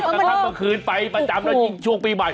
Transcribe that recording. กระทั่งเมื่อคืนไปประจำแล้วจริงช่วงปีใหม่